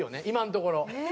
今のところ。